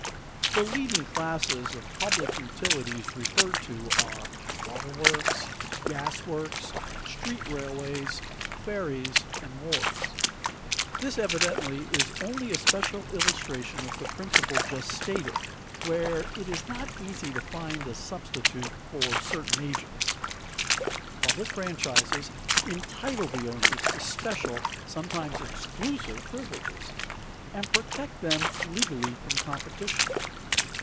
_ The leading classes of public utilities referred to are waterworks, gas works, street railways, ferries, and wharves. This evidently is only a special illustration of the principle just stated, where it is not easy to find a substitute for certain agents. Public franchises entitle the owners to special, sometimes exclusive, privileges, and protect them legally from competition.